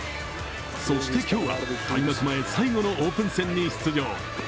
そして今日は、開幕前最後のオープン戦に出場。